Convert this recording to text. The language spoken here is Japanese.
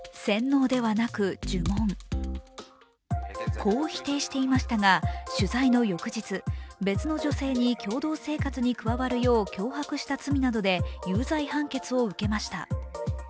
こう否定していましたが、取材の翌日、別の女性に共同生活に加わるよう脅迫した罪などで有罪判決を受けました。